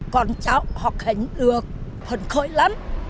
con cháu học hành được hân khôi lắm